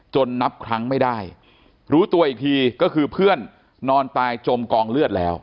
นับครั้งไม่ได้รู้ตัวอีกทีก็คือเพื่อนนอนตายจมกองเลือดแล้ว